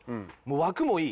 枠もいい。